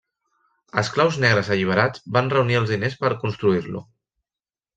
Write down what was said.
Esclaus negres alliberats van reunir els diners per construir-lo.